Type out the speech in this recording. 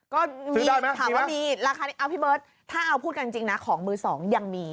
ก็มีถามว่ามีราคานี้เอาพี่เบิร์ตถ้าเอาพูดกันจริงนะของมือสองยังมี